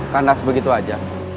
kandas begitu aja